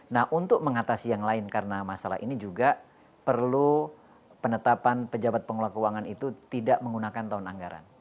nah untuk mengatasi yang lain karena masalah ini juga perlu penetapan pejabat pengelola keuangan itu tidak menggunakan tahun anggaran